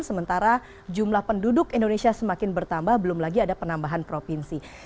sementara jumlah penduduk indonesia semakin bertambah belum lagi ada penambahan provinsi